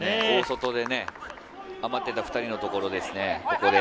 大外で余っていた２人のところですね。